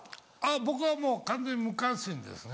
僕はもう完全に無関心ですね。